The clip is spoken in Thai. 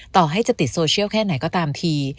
ต่อให้จะติดโซเชียลแค่ไหนก็ตามที